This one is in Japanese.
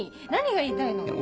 何が言いたいの？